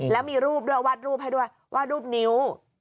แล้วมีรูปด้วยวาดรูปให้ด้วยวาดรูปนิ้ว